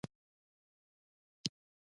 آزاد تجارت مهم دی ځکه چې ای کامرس پرمختګ کوي.